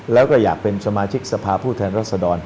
แล้วก็อยากเป็นสมาชิกสภาพผู้แทนรัศดร